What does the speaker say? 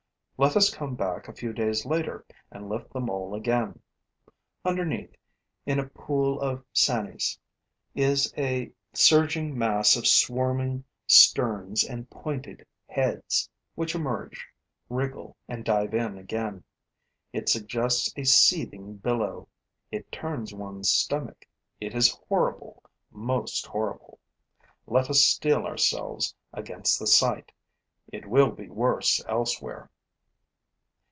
Let us come back a few days later and lift the mole again. Underneath, in a pool of sanies, is a surging mass of swarming sterns and pointed heads, which emerge, wriggle and dive in again. It suggests a seething billow. It turns one's stomach. It is horrible, most horrible. Let us steel ourselves against the sight: it will be worse elsewhere.